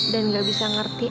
dan gak bisa ngerti